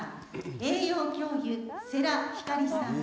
栄養教諭、世良光さん